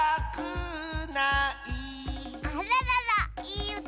あらららいいうた。